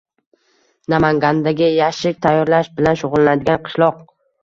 Namangandagi yashik tayyorlash bilan shug‘ullanadigan qishloq